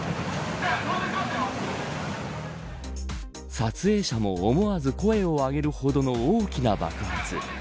撮影者も思わず声を上げるほどの大きな爆発。